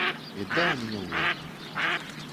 І даў мне ў вока.